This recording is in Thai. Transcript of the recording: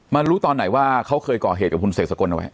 รู้ตอนไหนว่าเขาเคยก่อเหตุกับคุณเสกสกลเอาไว้